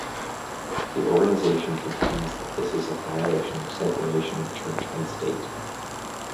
The organization contends that this is a violation of separation of church and state.